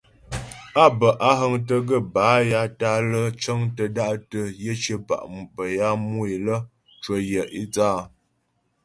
Á bə́ á həŋtə gaə́ bâ ya tǎ'a lə́ cəŋtə da'tə yə cyə̌pa' bə́ ya mu é lə cwə yə é thə́ áa.